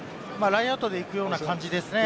ラインアウトで行くような感じですね。